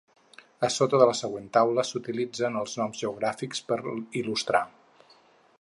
A sota de la següent taula s'utilitzen els noms geogràfics per il·lustrar.